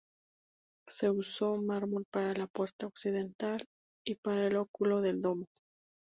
Se usó mármol para la puerta occidental y para el óculo del domo.